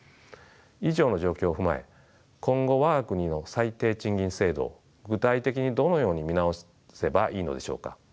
以上の状況を踏まえ今後我が国の最低賃金制度を具体的にどのように見直せばいいのでしょうか。